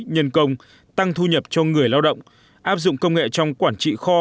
nhân công tăng thu nhập cho người lao động áp dụng công nghệ trong quản trị kho